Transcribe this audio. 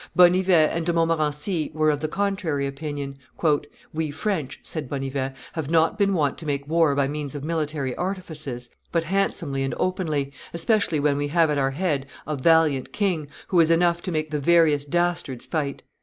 Bonnivet and De Montmorency were of the contrary opinion. "We French," said Bonnivet, "have not been wont to make war by means of military artifices, but handsomely and openly, especially when we have at our head a valiant king, who is enough to make the veriest dastards fight.